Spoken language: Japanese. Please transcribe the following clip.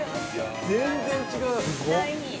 全然違う。